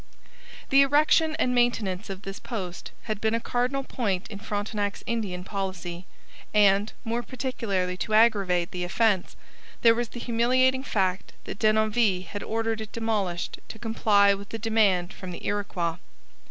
The erection and maintenance of this post had been a cardinal point in Frontenac's Indian policy; and, more particularly to aggravate the offence, there was the humiliating fact that Denonville had ordered it demolished to comply with a demand from the Iroquois.